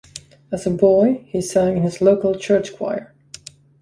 As a boy, he sang in his local church choir.